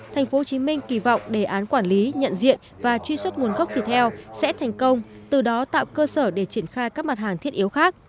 thành phố hồ chí minh kỳ vọng đề án quản lý nhận diện và truy xuất nguồn gốc thịt heo sẽ thành công từ đó tạo cơ sở để triển khai các mặt hàng thiết yếu